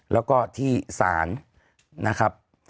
แล้วก็ที่ศาลนะครับ